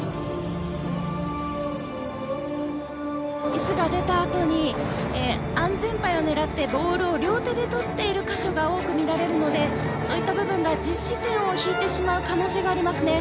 ミスが出たあとに安全パイを狙ってボールを両手で取っている箇所が多く見られるのでそういった部分が実施点を引いてしまう可能性がありますね。